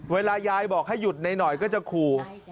เวลายายบอกให้หยุดหน่อยก็จะขู่